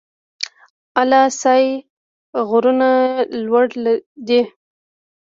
اله سای غرونه لوړ دي؟